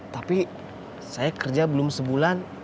tapi saya kerja belum sebulan